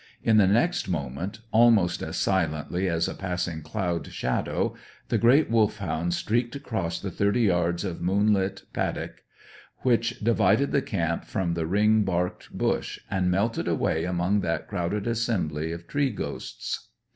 In the next moment, almost as silently as a passing cloud shadow, the great Wolfhound streaked across the thirty yards of moonlit paddock which divided the camp from the ring barked bush, and melted away among that crowded assembly of tree ghosts.